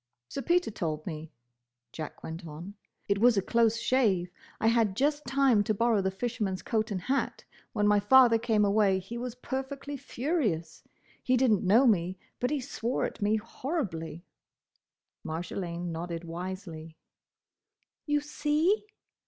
"Sir Peter told me," Jack went on. "It was a close shave. I had just time to borrow the fisherman's coat and hat. When my father came away he was perfectly furious. He did n't know me, but he swore at me horribly." Marjolaine nodded wisely. "You see!